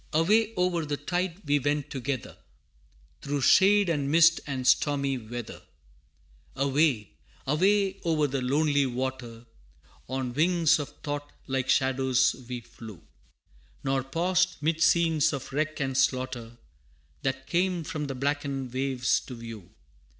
Away o'er the tide we went together, Through shade and mist and stormy weather Away, away, o'er the lonely water, On wings of thought like shadows we flew, Nor paused 'mid scenes of wreck and slaughter, That came from the blackened waves to view.